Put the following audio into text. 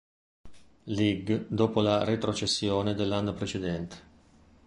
Lig dopo la retrocessione dell'anno precedente.